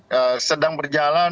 dan kita harus berjalan